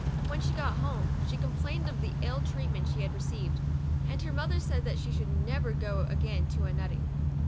When she got home, she complained of the ill treatment she had received ; and her mother said that she should never go again to a nut ting.